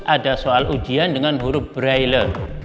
ada soal ujian dengan huruf braille